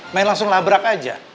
main langsung labrak aja